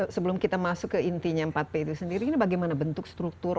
sebelum kita masuk ke intinya empat p itu sendiri ini bagaimana bentuk struktur